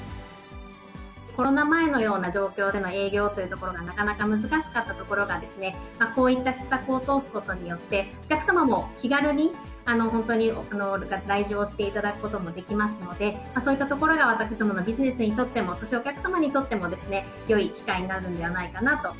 コロナ前のような状況での営業というところがなかなか難しかったところが、こういった施策を通すことによって、お客様も気軽に本当に来場していただくこともできますので、そういったところが私どものビジネスにとっても、そしてお客様にとってもよい機会になるんではないかなと。